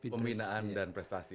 pembinaan dan prestasi